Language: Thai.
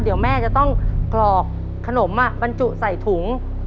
เดี๋ยวแม่จะต้องกรอกขนมบรรจุใส่ถุง